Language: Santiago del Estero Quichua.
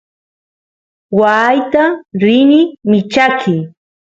waayta rini michaqy